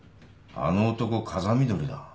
あの男風見鶏だ。